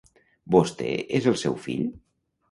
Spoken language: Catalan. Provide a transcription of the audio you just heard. Vostè és el seu fill?